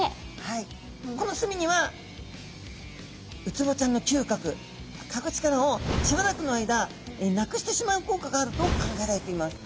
この墨にはウツボちゃんのきゅうかくかぐ力をしばらくの間なくしてしまう効果があると考えられています。